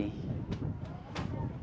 kemudian kita bisa membeli